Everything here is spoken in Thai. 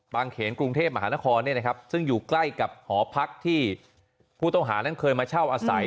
เขนกรุงเทพมหานครซึ่งอยู่ใกล้กับหอพักที่ผู้ต้องหานั้นเคยมาเช่าอาศัย